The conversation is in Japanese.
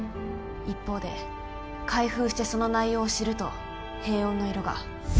一方で開封してその内容を知ると「平穏」の色が。